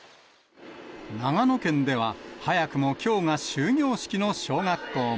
長野県では、早くもきょうが終業式の小学校も。